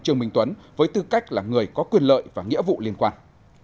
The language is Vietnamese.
trương minh tuấn với tư cách là người có quyền lợi và nghĩa vụ liên quan